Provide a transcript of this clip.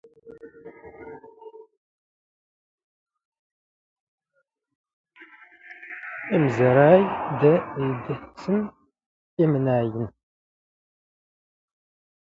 ⵉⵎⵣⴰⵔⴰⵢ ⴷ ⵉⴷⵙⵏ ⵉⵎⵏⴰⵢⵏ.